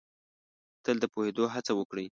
تل د پوهېدو هڅه وکړ ئ